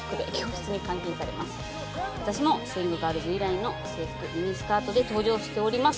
私も『スウィングガールズ』以来の制服ミニスカートで登場しております。